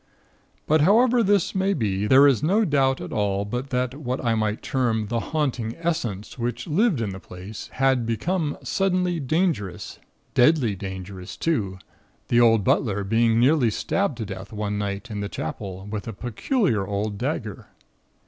"But however this may be, there is no doubt at all but that what I might term the Haunting Essence which lived in the place, had become suddenly dangerous deadly dangerous too, the old butler being nearly stabbed to death one night in the Chapel, with a peculiar old dagger.